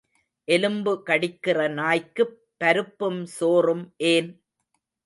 எலும்பு கடிக்கிற நாய்க்குப் பருப்பும் சோறும் ஏன்?